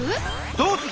どうする！